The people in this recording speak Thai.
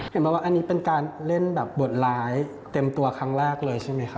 เห็นไหมว่าอันนี้เป็นการเล่นแบบบทร้ายเต็มตัวครั้งแรกเลยใช่ไหมคะ